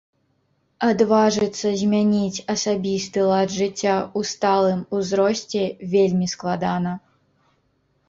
Адважыцца змяніць асабісты лад жыцця ў сталым ўзросце вельмі складана.